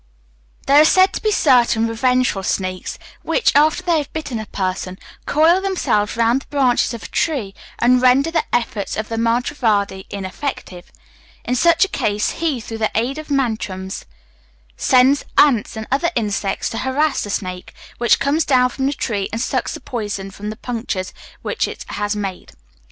There are said to be certain revengeful snakes, which, after they have bitten a person, coil themselves round the branches of a tree, and render the efforts of the mantravadi ineffective. In such a case, he, through the aid of mantrams, sends ants and other insects to harass the snake, which comes down from the tree, and sucks the poison from the punctures which it has made.